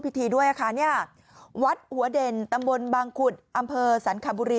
ด้วยค่ะเนี่ยวัดหัวเด่นตำบลบางขุดอำเภอสรรคบุรี